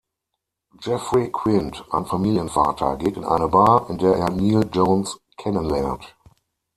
Jeffrey Quint, ein Familienvater, geht in eine Bar, in der er Neil Jones kennenlernt.